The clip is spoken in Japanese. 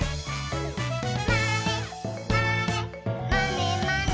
「まねまねまねまね」